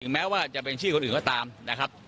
แม้ว่าจะเป็นชื่อคนอื่นก็ตามนะครับ